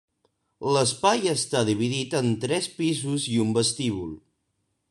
L'espai està dividit en tres pisos i un vestíbul.